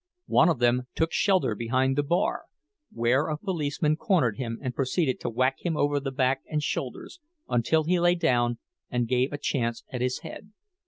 One of them took shelter behind the bar, where a policeman cornered him and proceeded to whack him over the back and shoulders, until he lay down and gave a chance at his head.